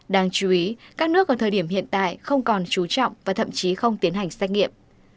đáng chú ý các nước ở thời điểm hiện tại không còn trú trọng và thậm chí không tiến hành xét nghiệm